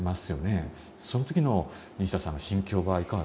その時の西田さんの心境はいかがですか？